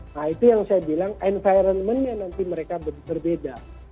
nah itu yang saya bilang environment nya nanti mereka berbeda